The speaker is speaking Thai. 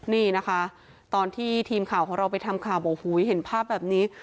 นี่นะคะตอนที่ทีมข่าวของเราไปทำข่าวโอ้โหเห็นภาพแบบนี้